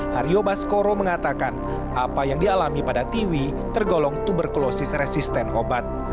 hario baskoro mengatakan apa yang dialami pada tiwi tergolong tuberkulosis resisten obat